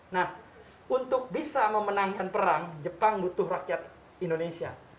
nah untuk bisa memenangkan perang jepang butuh rakyat indonesia